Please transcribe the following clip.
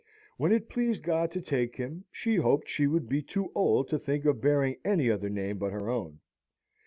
When it pleased God to take him, she hoped she would be too old to think of bearing any other name but her own.